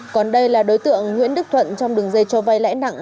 còn đây là đối tượng nguyễn đức thuận trong đường dây cho vay lãi nặng